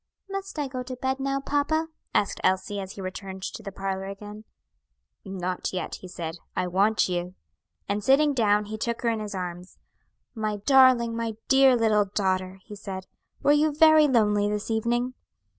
"Must I go to bed now, papa?" asked Elsie, as he returned to the parlor again. "Not yet," he said; "I want you." And, sitting down, he took her in his arms. "My darling, my dear little daughter!" he said; "were you very lonely this evening?"